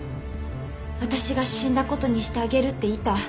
私が死んだことにしてあげるって言った。